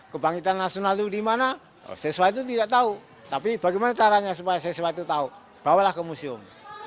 kebangkitan nasional itu dimana siswa itu tidak tahu tapi bagaimana caranya supaya siswa itu tahu bawalah ke museum